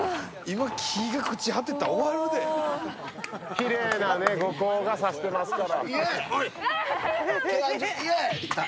きれいな後光が差してますから。